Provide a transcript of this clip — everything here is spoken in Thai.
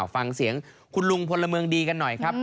ฟังเสียงคุณลุงพลเมืองดีกันหน่อยครับ